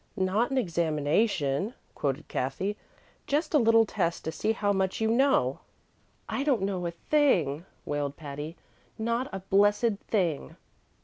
"Not an examination," quoted Cathy; "just a 'little test to see how much you know.'" "I don't know a thing," wailed Patty "not a blessed thing."